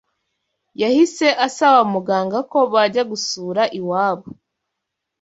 yahise asaba Muganga ko bajya gusura iwabo.